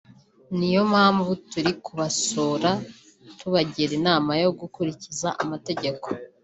ni yo mpamvu turi kubasura tubagira inama yo gukurikiza amategeko